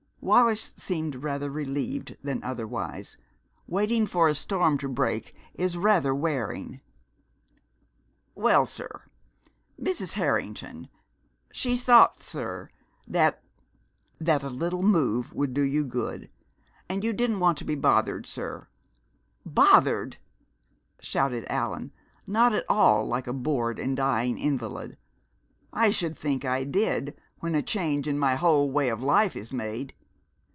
Wallis seemed rather relieved than otherwise. Waiting for a storm to break is rather wearing. "Well, sir, Mrs. Harrington, she thought, sir, that that a little move would do you good. And you didn't want to be bothered, sir " "Bothered!" shouted Allan, not at all like a bored and dying invalid. "I should think I did, when a change in my whole way of life is made!